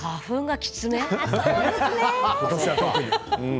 今年は特に。